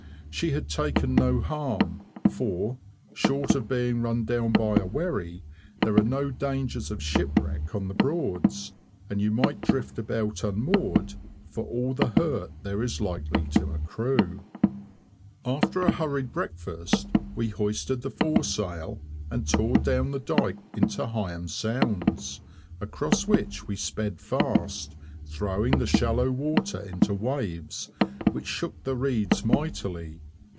She had taken no harm, for, short of being run down by a wherry, there are no dangers of shipwreck on the Broads, and you might drift about unmoored, for all the hurt there is likely to accrue. [Picture: Sound Asleep] After a hurried breakfast we hoisted the foresail, and tore down the dyke into Heigham Sounds, across which we sped fast, throwing the shallow water into waves, which shook the reeds mightily.